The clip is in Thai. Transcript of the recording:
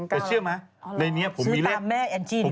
แต่เชื่อไหมในนี้ผมมีเลขซื้อตามแม่แอลจีนอ่ะ